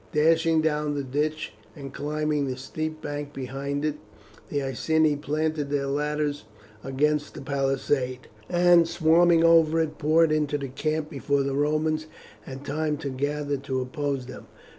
Dashing down the ditch, and climbing the steep bank behind it the Iceni planted their ladders against the palisade, and swarming over it poured into the camp before the Romans had time to gather to oppose them.